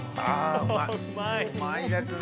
うまいですね。